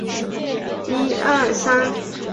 安拉斯是奥地利蒂罗尔州利恩茨县的一个市镇。